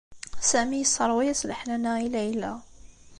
Sami yesseṛwa-as leḥnana i Layla.